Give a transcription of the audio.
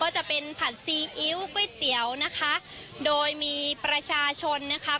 จะเป็นผัดซีอิ๊วก๋วยเตี๋ยวนะคะโดยมีประชาชนนะคะ